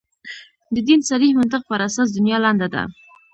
د دین صریح منطق پر اساس دنیا لنډه ده.